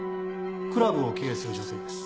クラブを経営する女性です。